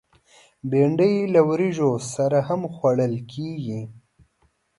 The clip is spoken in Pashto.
بېنډۍ له وریژو سره هم خوړل کېږي